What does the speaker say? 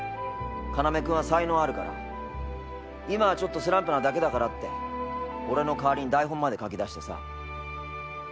要くんは才能あるから今はちょっとスランプなだけだからって俺の代わりに台本まで書きだしてさ。